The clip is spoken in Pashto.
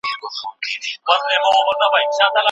تاسي باید د خپل عمر هرې شېبې ته هیله ولرئ.